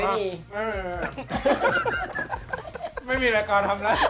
ไม่มีรายการทำรัก